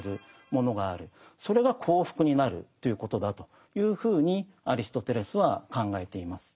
それが幸福になるということだというふうにアリストテレスは考えています。